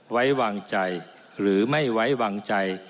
ไว้วางใจหรือไม่ไว้วางใจ